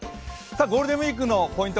ゴールデンウイークのポイント